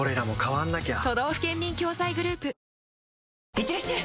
いってらっしゃい！